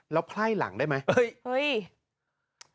แล้วไพ่หลังได้ไหม